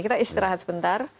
kita istirahat sebentar